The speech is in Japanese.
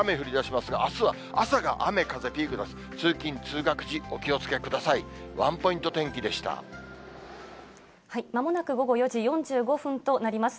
まもなく午後４時４５分となります。